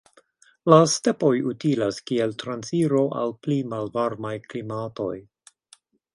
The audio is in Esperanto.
La stepoj utilas kiel transiro al pli malvarmaj klimatoj.